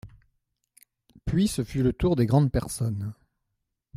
Puis ce fut le tour des grandes personnes.